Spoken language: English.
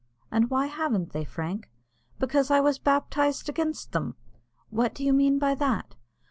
"And why haven't they, Frank?" "Because I was baptized against them." "What do you mean by that?"